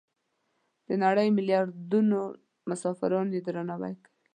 د نړۍ ملیاردونو مسلمانان یې درناوی کوي.